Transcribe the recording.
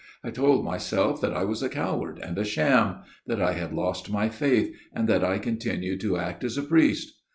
I told myself that I was a coward and a sham that I had lost my faith and that I continued to act as a priest